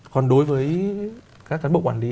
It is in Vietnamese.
còn đối với các cán bộ quản lý